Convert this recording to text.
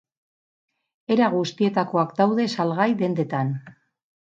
Era guztietakoak daude salgai dendetan.